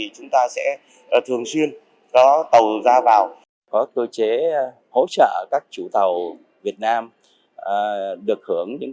chúng ta sẽ thường xuyên có tàu ra vào có cơ chế hỗ trợ các chủ tàu việt nam được hưởng những